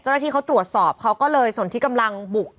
เจ้าหน้าที่เขาตรวจสอบเขาก็เลยสนที่กำลังบุก